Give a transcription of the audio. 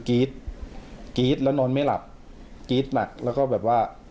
กรี๊ดแล้วนอนไม่หลับ